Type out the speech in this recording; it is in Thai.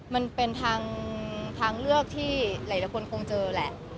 มันเป็นทางเลือกที่หลายคนคงเจอแหละ